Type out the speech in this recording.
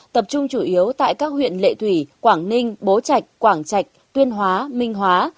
tập trung chủ yếu tại các huyện lệ thủy quảng ninh bố chạch quảng chạch tuyên hóa minh hóa